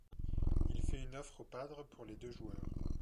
Il fait une offre aux Padres pour les deux joueurs.